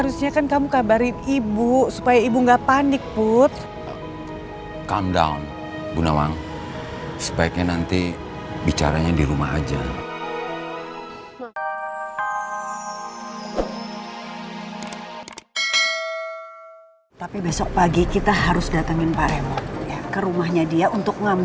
sampai jumpa di video selanjutnya